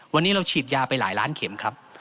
วันนี้เราฉีดยาไปหลายล้านเข็มครับ